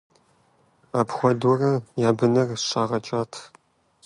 Апхуэдэурэ я быныр щагъэкӀат.